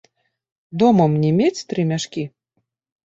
Дома мне мець тры мяшкі?